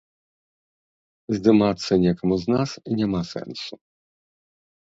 Здымацца некаму з нас няма сэнсу.